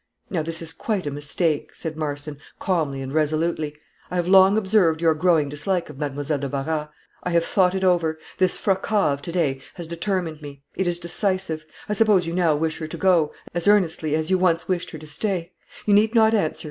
Now this is quite a mistake," said Marston, calmly and resolutely "I have long observed your growing dislike of Mademoiselle de Barras. I have thought it over; this fracas of today has determined me; it is decisive. I suppose you now wish her to go, as earnestly as you once wished her to stay. You need not answer.